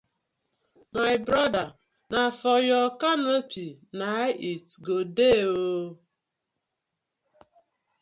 My broda na for yur canopy na it go dey ooo.